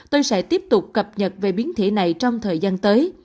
tôi sẽ tiếp tục cập nhật về biến thể này trong thời gian tới